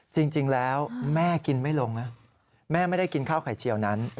จริงแล้วแม่กินไม่ลงนะแม่ไม่ได้กินข้าวไข่เจียวนั้น